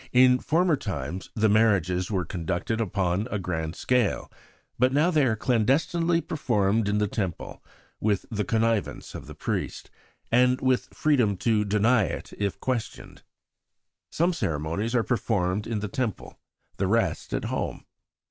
In former times the marriages were conducted upon a grand scale, but now they are clandestinely performed in the Temple, with the connivance of the priest, and with freedom to deny it if questioned. Some ceremonies are performed in the Temple, the rest at home.